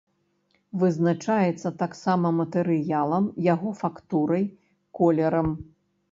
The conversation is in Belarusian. Вызначаецца таксама матэрыялам, яго фактурай, колерам.